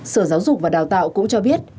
sở giáo dục và đào tạo cũng cho biết